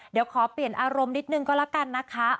เดี๋ยวขอเปลี่ยนอารมณ์นิดนึงก็แล้วกันนะคะ